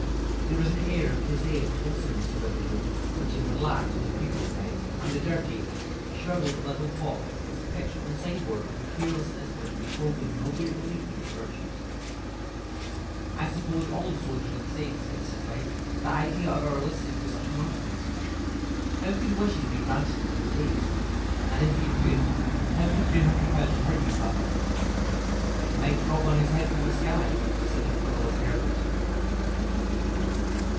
There was an air of prosaic wholesomeness about the room which it had lacked on the previous night, and the dirty, shrivelled little paw was pitched on the sideboard with a carelessness which betokened no great belief in its virtues. "I suppose all old soldiers are the same," said Mrs. White. "The idea of our listening to such nonsense! How could wishes be granted in these days? And if they could, how could two hundred pounds hurt you, father?" "Might drop on his head from the sky," said the frivolous Herbert.